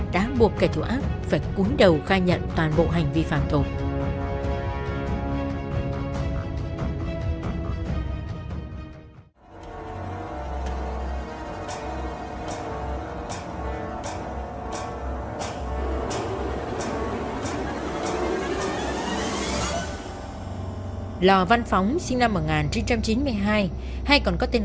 đã buộc kẻ thù ác phải cuốn đầu khai nhận toàn bộ hành vi phạm thổ